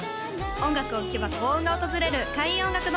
音楽を聴けば幸運が訪れる開運音楽堂